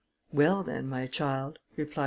"Well, then, my child," replied M.